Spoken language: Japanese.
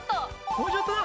もうちょっとだ！